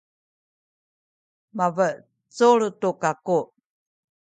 mabecul tu kaku.